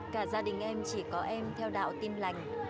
cả gia đình em chỉ có em theo đạo tin lành